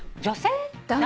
女性？